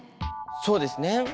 そうですね。